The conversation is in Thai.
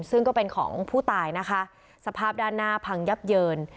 ซึ่งก็เป็นของผู้ตายนะคะสภาพด้านหน้าพังยับเยิน